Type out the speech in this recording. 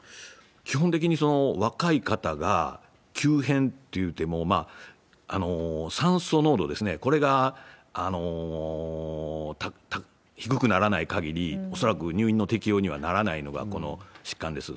基本的に、若い方が急変っていうても、酸素濃度ですね、これが低くならない限り、恐らく入院の適用にはならないのが、この疾患です。